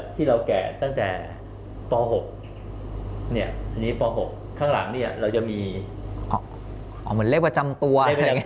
ที่เราแกะตั้งแต่ป๖อันนี้ป๖ข้างหลังเราจะมีเหมือนเลขประจำตัว